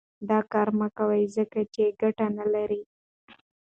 دا کار مه کوئ ځکه چې ګټه نه لري.